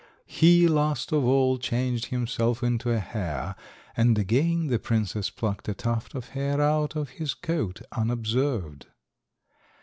He last of all changed himself into a hare, and again the princess plucked a tuft of hair out of his coat unobserved.